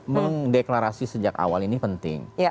mendeklarasi sejak awal ini penting